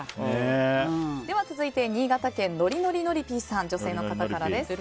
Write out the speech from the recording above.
続いて新潟県の女性の方からです。